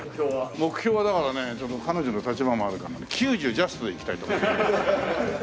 目標はだからね彼女の立場もあるから９０ジャストでいきたいと思います。